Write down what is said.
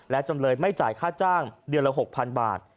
และจำเลยไม่จ่ายค่าจ้างเดือนละ๖๐๐๐บาท